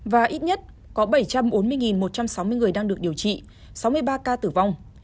và ít nhất có bảy trăm bốn mươi một trăm sáu mươi người đang được điều trị sáu mươi ba ca tử vong